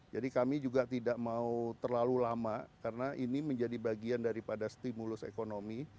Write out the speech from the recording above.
jadi kami juga tidak mau terlalu lama karena ini menjadi bagian daripada stimulus ekonomi